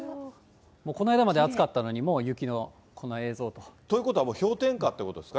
この間まで暑かったのに、もう雪のこの映像と。ということはもう氷点下ってことですか？